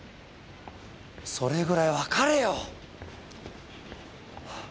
それぐらいわかれよ！